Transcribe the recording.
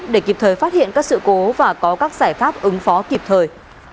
để kịp thời phát hiện các sự cố và có các giải pháp ứng phó kịp thời